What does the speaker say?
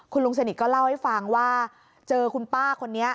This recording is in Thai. คุณลุงสนิทก็เล่าให้ฟังว่าเจอคุณป้าคนนี้